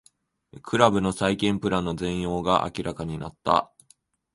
クラブの再建プランの全容が明らかになった